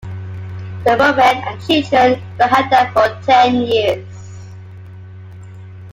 The women and children were held there for ten years.